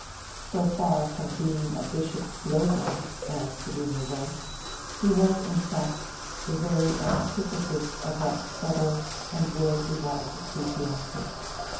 So far from being a Bishop Blougram (as the rumour went) he was, in fact, the very antithesis of that subtle and worldly wise ecclesiastic.